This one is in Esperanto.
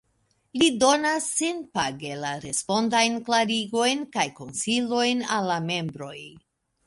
Li donas senpage la respondajn klarigojn kaj konsilojn al la membroj.